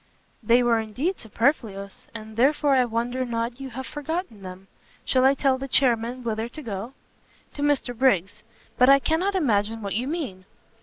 "They were indeed superfluous, and therefore I wonder not you have forgotten them. Shall I tell the chairmen whither to go?" "To Mr Briggs. But I cannot imagine what you mean."